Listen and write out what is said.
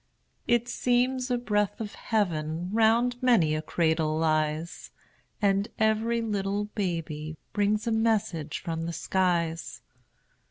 It seems a breath of heaven "Round many a cradle lies," And every little baby Brings a message from the skies.